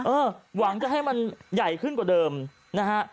หวังจะให้มันใหญ่ขึ้นกว่าเดิมนะฮะ